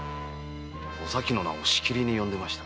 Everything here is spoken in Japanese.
お咲の名をしきりに呼んでました。